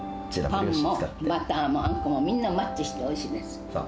パンもバターもあんこも、みんなマッチしておいしいです。